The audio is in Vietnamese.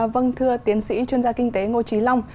vâng thưa tiến sĩ chuyên gia kinh tế ngô trí long